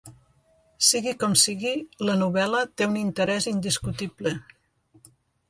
Sigui com sigui, la novel·la té un interès indiscutible.